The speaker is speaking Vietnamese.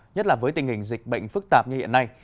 nhất là với tình hình dịch bệnh phức tạp như hiện nay